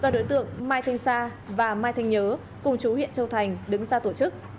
do đối tượng mai thanh sa và mai thanh nhớ cùng chú huyện châu thành đứng ra tổ chức